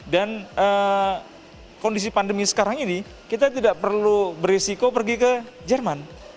dan kondisi pandemi sekarang ini kita tidak perlu berisiko pergi ke jerman